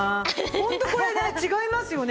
ホントこれね違いますよね。